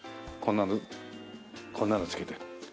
こんなのこんなの着けて。